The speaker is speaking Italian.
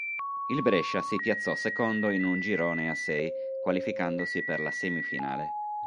Il Brescia si piazzò secondo in un girone a sei, qualificandosi per la semifinale.